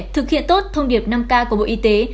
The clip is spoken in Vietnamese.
thực hiện tốt thông điệp năm k của bộ y tế